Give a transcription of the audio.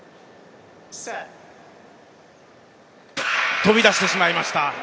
飛び出してしまいました。